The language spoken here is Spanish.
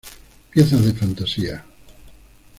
Piezas de fantasía, Op.